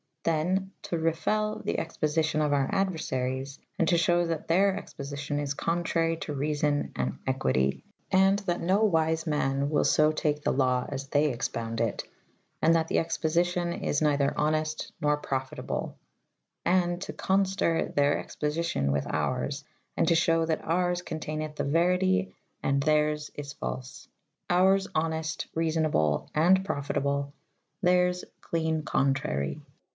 Than to refell the expoficio« of our aduerfaries /& to fhew that theyr expoficion is contrary to reafo« and equitie / and that no wyfe man wyll fo take the law as they expounde it /and that the expoficion is neither honeft nor profytable / [E viii b] and to confter theyr expoficion with oures / and to fhew that cures conteyneth the veritie and theyrs is fake. Oures honeft / reafonable /& profitable : Theyrs clene contrarye.